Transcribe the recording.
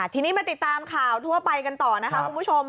ทีนี้มาติดตามข่าวทั่วไปกันต่อนะคะคุณผู้ชม